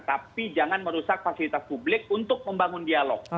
tapi jangan merusak fasilitas publik untuk membangun dialog